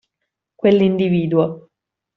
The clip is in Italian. Quell'individuo.